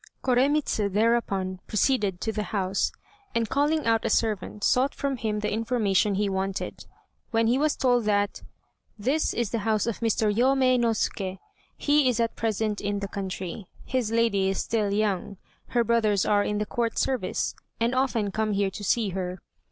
Koremitz thereupon proceeded to the house, and, calling out a servant, sought from him the information he wanted, when he was told that, "This is the house of Mr. Yômei no Ske. He is at present in the country; his lady is still young; her brothers are in the Court service, and often come here to see her.